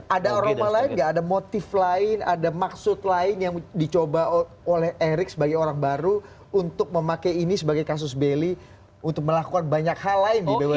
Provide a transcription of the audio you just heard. ada aroma lain nggak ada motif lain ada maksud lain yang dicoba oleh erick sebagai orang baru untuk memakai ini sebagai kasus beli untuk melakukan banyak hal lain di bumn